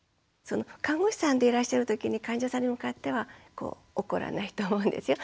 看護師さんでいらっしゃるときに患者さんに向かっては怒らないと思うんですよ。